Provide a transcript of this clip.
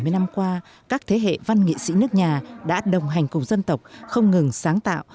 bảy mươi năm qua các thế hệ văn nghệ sĩ nước nhà đã đồng hành cùng dân tộc không ngừng sáng tạo